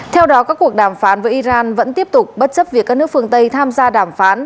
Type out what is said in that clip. theo đó các cuộc đàm phán với iran vẫn tiếp tục bất chấp việc các nước phương tây tham gia đàm phán